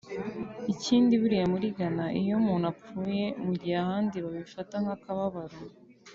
Ikindi buriya muri Ghana iyo umuntu apfuye mugihe ahandi babifata nk’akababaro